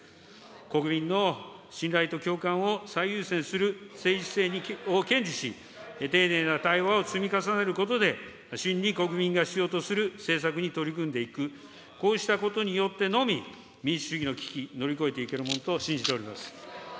国民の信頼と共感を最優先する政治姿勢を堅持し、丁寧な対話を積み重ねることで、真に国民が必要とする政策に取り組んでいく、こうしたことによってのみ、民主主義の危機、乗り越えていけるものと信じております。